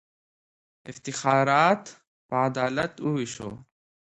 افتخارات په عدالت ووېشه.